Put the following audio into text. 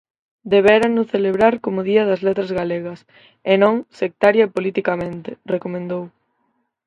"Debérano celebrar como Día das Letras Galegas" e non "sectaria e politicamente", recomendou.